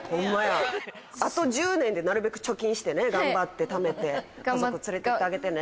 あと１０年でなるべく貯金して頑張って貯めて家族つれてってあげてね。